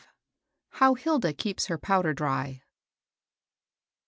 HOW HILDA KEEPS HEB POWDER DBT.